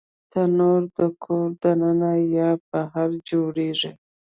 تنور د کور دننه یا بهر جوړېږي